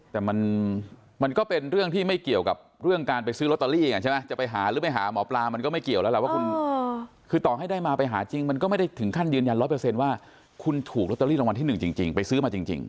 แต่มันก็เป็นเรื่องที่ไม่เกี่ยวกับเรื่องการไปซื้อลอตเตอรี่ไงใช่ไหมจะไปหาหรือไปหาหมอปลามันก็ไม่เกี่ยวแล้วล่ะว่าคุณคือต่อให้ได้มาไปหาจริงมันก็ไม่ได้ถึงขั้นยืนยัน๑๐๐ว่าคุณถูกลอตเตอรี่รางวัลที่๑จริงไปซื้อมาจริง